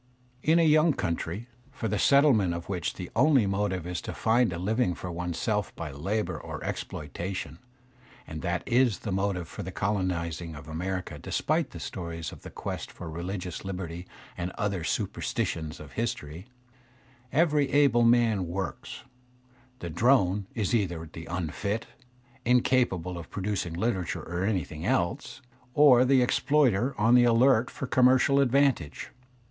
In a young countiy, for the settlement of which the only motive is to find a living for one's self by^ labour or exploitation (and that is the motive for the coloniz / ing of America despite the stories of the quest for religious/ liberty and other superstitions of history), every able man] works; the drone is either the unfit, incapable of producing literature or anything else, or the exploiter on the alert for commercial advantage.